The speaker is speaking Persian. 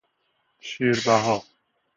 شیر بها